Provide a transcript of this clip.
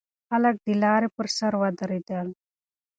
خلک د لارې پر سر ودرېدل.